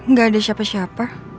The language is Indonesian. gak ada siapa siapa